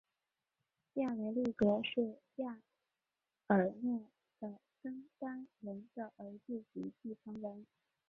亚维力格是亚尔诺的登丹人的儿子及继承人。